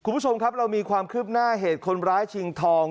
คุณผู้ชมครับเรามีความคืบหน้าเหตุคนร้ายชิงทอง